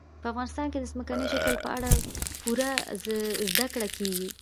په افغانستان کې د ځمکني شکل په اړه پوره زده کړه کېږي.